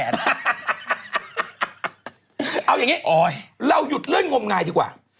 เอาอย่างนี้เราหยุดเรื่องงมงายดีกว่า